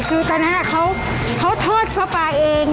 คือตอนนั้นเขาทอดปลาเอง